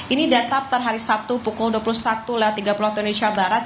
ini data per hari sabtu pukul dua puluh satu tiga puluh waktu indonesia barat